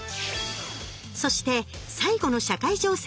そして最後の社会情勢